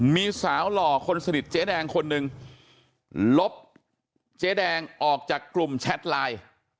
มีสาวหล่อคนสนิทเจ๊แดงคนหนึ่งลบเจ๊แดงออกจากกลุ่มแชทไลน์